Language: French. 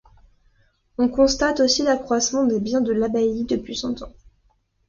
On constate aussi l'accroissement des biens de l'abbaye depuis cent ans.